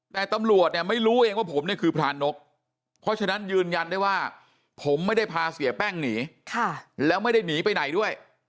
แต่ตำรวจเนี่ยไม่รู้เองว่าผมเนี่ยคือพรานกเพราะฉะนั้นยืนยันได้ว่าผมไม่ได้พาเสียแป้งหนีแล้วไม่ได้หนีไปไหนด้วย